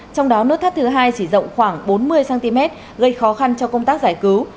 trong đó nút thắt thứ hai chỉ rộng khoảng bốn mươi cm gây khó khăn cho công tác giải cứu